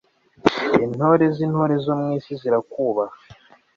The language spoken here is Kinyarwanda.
Intore zintore zo mwisi zirakwubaha